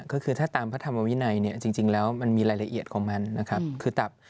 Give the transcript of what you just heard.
ก็คือถ้าตามพระธรรมวินัยเนี่ยจริงแล้วมันมีรายละเอียดของมันนะครับคือตับ